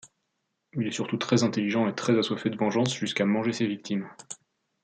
Il est surtout très intelligent et très assoiffé de vengeance jusqu'à manger ses victimes.